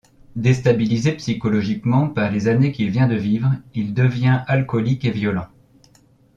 Déstabilisé psychologiquement par les années qu'il vient de vivre, il devient alcoolique et violent.